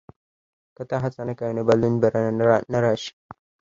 • که ته هڅه نه کوې، نو بدلون به نه راشي.